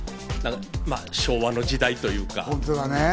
昭和の時代というか。